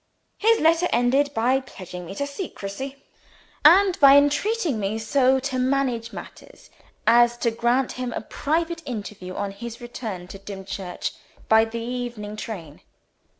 His letter ended by pledging me to secrecy, and by entreating me so to manage matters as to grant him a private interview on his return to Dimchurch by the evening train.